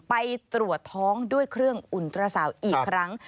ไปตรวจท้องด้วยเครื่องอุ่นตราสาวอีกครั้ง